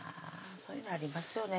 そういうのありますよね